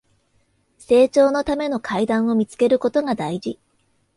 成長のための階段を見つけることが大事